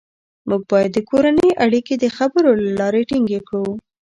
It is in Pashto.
موږ باید د کورنۍ اړیکې د خبرو له لارې ټینګې کړو